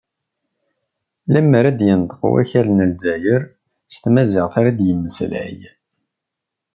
Lemmer ad d-yenṭeq wakal n Lezzayer, s tamaziɣt ara d-yemmeslay.